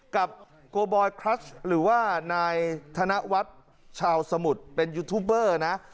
กับโกบอยคลัสหรือว่านายธนวัฒน์ชาวสมุทรเป็นยูทูบเบอร์นะ